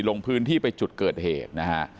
ลงพื้นที่ไปจุดเกิดเหตุนะฮะ